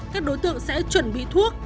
các đối tượng sẽ chuẩn bị thuốc